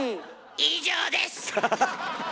以上です。